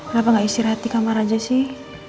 kenapa gak istirahat di kamar aja sih